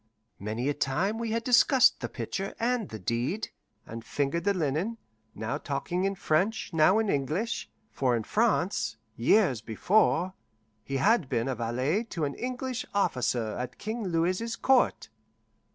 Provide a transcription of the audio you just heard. Many a time we had discussed the pitcher and the deed, and fingered the linen, now talking in French, now in English; for in France, years before, he had been a valet to an English officer at King Louis's court.